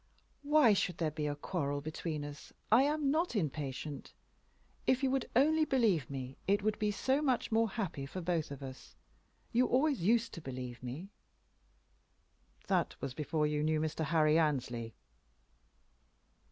"Why should there be a quarrel between us? I am not impatient. If you would only believe me, it would be so much more happy for both of us. You always used to believe me." "That was before you knew Mr. Harry Annesley."